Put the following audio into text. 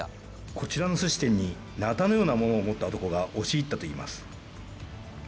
こちらのすし店になたのようなものを持った男が押し入ったといいます。